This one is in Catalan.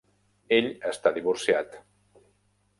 Ell està divorciat.